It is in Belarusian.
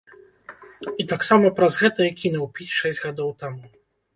І таксама праз гэта і кінуў піць шэсць гадоў таму.